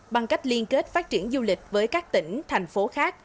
bằng cách liên kết phát triển du lịch với các tỉnh thành phố khác